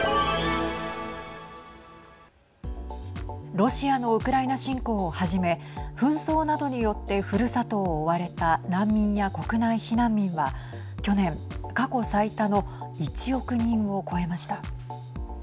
ロシアのウクライナ侵攻をはじめ紛争などによってふるさとを追われた難民や国内避難民は去年、過去最多の１億人を超えました。